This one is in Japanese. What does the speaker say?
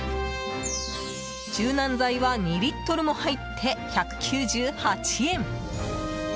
柔軟剤は２リットルも入って１９８円。